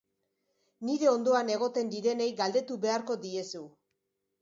Nire ondoan egoten direnei galdetu beharko diezu.